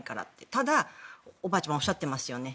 ただ、おばあちゃまはおっしゃってますよね。